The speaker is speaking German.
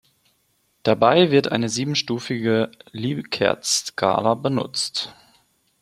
Dabei wird eine siebenstufige Likert-Skala benutzt.